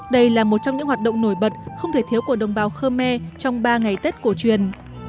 đây là một trong những hoạt động nổi bật không thể thiếu của đồng bào khơ me trong ba ngày tết cổ truyền